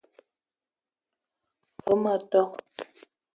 Ve ma tok :